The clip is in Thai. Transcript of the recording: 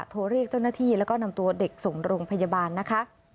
โทรเรียกเจ้าหน้าที่แล้วก็นำตัวเด็กส่งโรงพยาบาลนะคะ